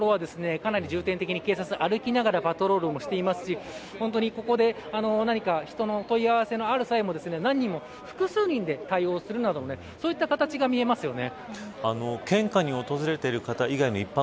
ちょうど人の影になるような所はかなり重点的に警察歩きながらパトロールをしていますし本当にここで何か人の問い合わせのある際も複数人で対応するなどそういった形が見えますよね。